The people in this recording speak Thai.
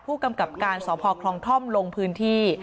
ผู้กำกับการสพคลองท่อมลงพื้นที่